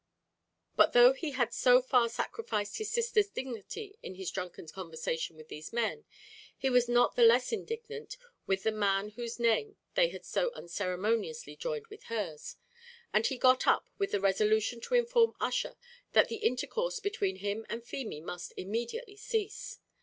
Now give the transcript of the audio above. But though he had so far sacrificed his sister's dignity in his drunken conversation with these men, he was not the less indignant with the man whose name they had so unceremoniously joined with hers; and he got up with the resolution to inform Ussher that the intercourse between him and Feemy must immediately cease.